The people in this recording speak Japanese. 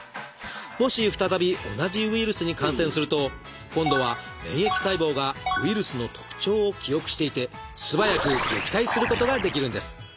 もし再び同じウイルスに感染すると今度は免疫細胞がウイルスの特徴を記憶していて素早く撃退することができるんです。